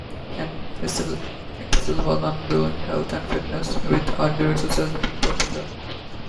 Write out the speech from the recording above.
An initial emphasis was on well-being, health and fitness, with outdoor exercises being popular.